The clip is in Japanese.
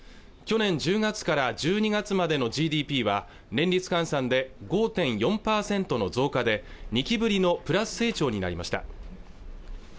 去年１０月から１２月までのＧＤＰは年率換算で５．４％の増加で２期ぶりのプラス成長になりました